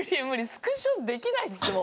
スクショできないですよ。